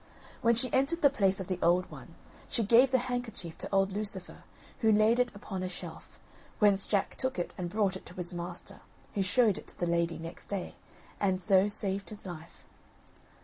When she entered the place of the Old One, she gave the handkerchief to old Lucifer, who laid it upon a shelf, whence Jack took it and brought it to his master, who showed it to the lady next day, and so saved his life.